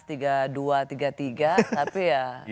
tapi ya kita gak tahu